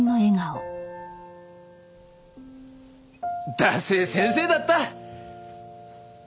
ダセェ先生だった。